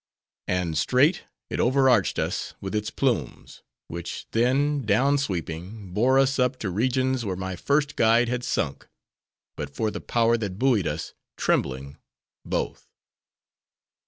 "And straight it overarched us with its plumes; which, then, down sweeping, bore us up to regions where my first guide had sunk, but for the power that buoyed us, trembling, both.